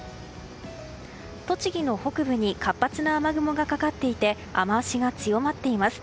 栃木の北部に活発な雨雲がかかっていて雨脚が強まっています。